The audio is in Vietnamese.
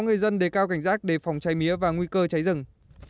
người dân đề cao cảnh giác để phòng cháy mía và nguy cơ cháy rừng